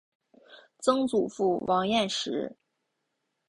曾祖父王彦实。